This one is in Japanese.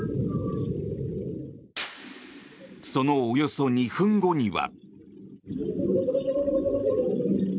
そのおよそ２分後には。